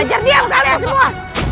lajar diam kalian semua